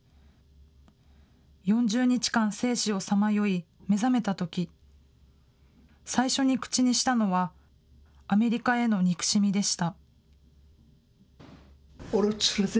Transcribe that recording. ４０日間、生死をさまよい、目覚めたとき、最初に口にしたのは、アメリカへの憎しみでした。